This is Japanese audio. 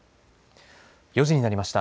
４時になりました。